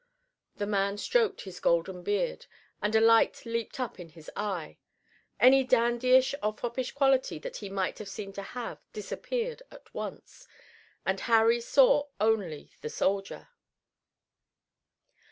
The man stroked his golden beard and a light leaped up in his eye. Any dandyish or foppish quality that he might have seemed to have disappeared at once, and Harry saw only the soldier.